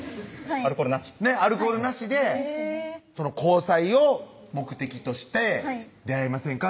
アルコールなしアルコールなしで交際を目的として出会いませんか？